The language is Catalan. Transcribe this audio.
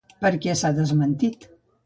Per què s'ha desmentit?